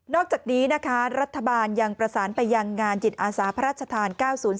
อกจากนี้นะคะรัฐบาลยังประสานไปยังงานจิตอาสาพระราชทาน๙๐๔